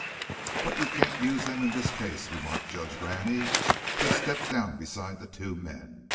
"But you can't use them in this case," remarked Judge Graney, who had stepped down beside the two men.